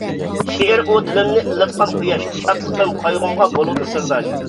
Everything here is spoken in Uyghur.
شېئىر ئۇ دىلىمنى ئىللىتقان قۇياش، شادلىقىم، قايغۇمغا بولىدۇ سىرداش.